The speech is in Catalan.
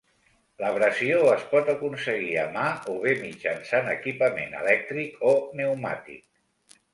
L'abrasió es pot aconseguir a mà o bé mitjançant equipament elèctric o pneumàtic.